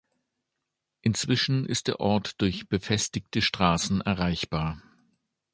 Inzwischen ist der Ort durch befestigte Straßen erreichbar.